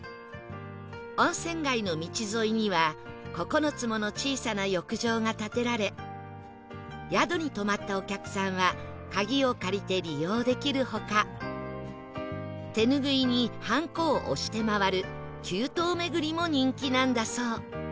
温泉街の道沿いには９つもの小さな浴場が建てられ宿に泊まったお客さんは鍵を借りて利用できる他手拭いにハンコを押して回る九湯めぐりも人気なんだそう